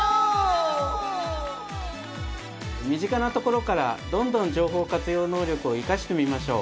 身近なところからどんどん情報活用能力を生かしてみましょう。